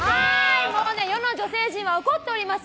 世の女性陣は怒っております。